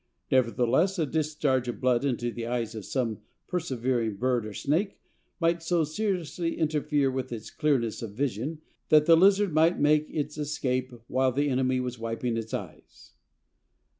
Nevertheless a discharge of blood into the eyes of some persevering bird or snake might so seriously interfere with its clearness of vision that the lizard might make its escape while the enemy was wiping its eyes."